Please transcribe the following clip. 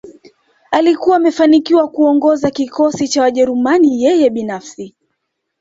Alikuwa amefanikiwa kuongoza kikosi cha Wajerumani yeye binafsi